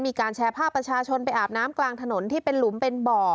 มีการแชร์ภาพประชาชนไปอาบน้ำกลางถนนที่เป็นหลุมเป็นบ่อ